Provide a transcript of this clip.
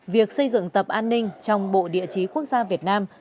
việc xây dựng tập an ninh trong bộ địa chí quốc gia việt nam